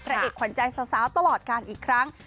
เอกขวัญใจสาวตลอดการอีกครั้ง